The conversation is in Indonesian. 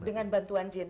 dengan bantuan jin